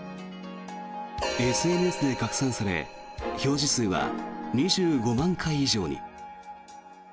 ＳＮＳで拡散され表示数は２５万回以上に。